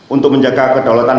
untuk menjaga kedaulatan